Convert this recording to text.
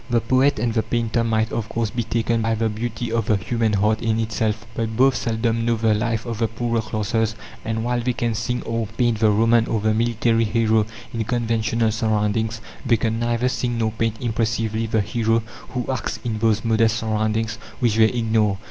The poet and the painter might, of course, be taken by the beauty of the human heart in itself; but both seldom know the life of the poorer classes, and while they can sing or paint the Roman or the military hero in conventional surroundings, they can neither sing nor paint impressively the hero who acts in those modest surroundings which they ignore.